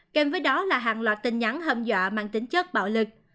kèm với đó là hàng loạt tin nhắn hâm dọa mang tính chất bạo lực